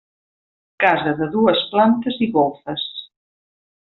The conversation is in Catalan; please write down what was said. Casa de dues plantes i golfes.